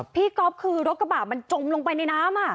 ก๊อฟคือรถกระบะมันจมลงไปในน้ำ